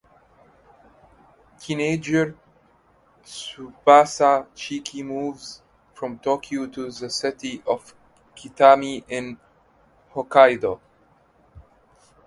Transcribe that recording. Teenager Tsubasa Shiki moves from Tokyo to the city of Kitami in Hokkaido.